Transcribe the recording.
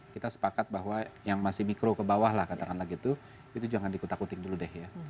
kita sepakat bahwa yang masih mikro ke bawah lah katakanlah gitu itu jangan dikutak kutik dulu deh ya